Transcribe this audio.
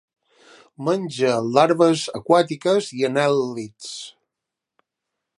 Menja larves aquàtiques i anèl·lids.